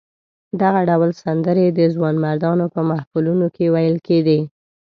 دغه ډول سندرې د ځوانمردانو په محفلونو کې ویل کېدې.